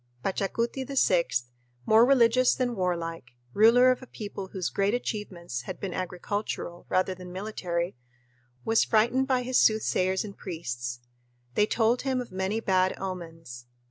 Pachacuti VI, more religious than warlike, ruler of a people whose great achievements had been agricultural rather than military, was frightened by his soothsayers and priests; they told him of many bad omens.